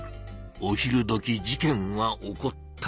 お昼どき事件は起こった。